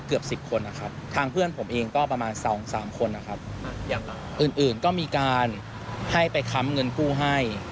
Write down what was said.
อื่นก็มีการให้ไปค้ำเงินกู้ให้